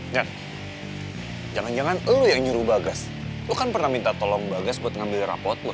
ingat jangan jangan lo yang nyuruh bagas lu kan pernah minta tolong bagas buat ngambil rapot lo